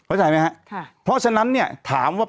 อืม